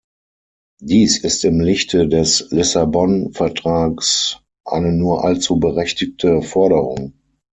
Dies ist im Lichte des Lissabon-Vertrags eine nur allzu berechtigte Forderung.